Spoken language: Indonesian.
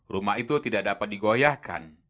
rumah itu tidak dapat digoyahkan